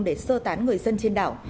để sơ tán người dân trên đảo